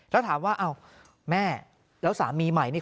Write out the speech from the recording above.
แล้วถามว่าอ้าวแม่แล้วสามีใหม่นี่